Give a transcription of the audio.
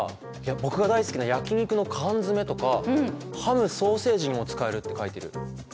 僕が大好きな焼き肉の缶詰めとかハム・ソーセージにも使えるって書いてる。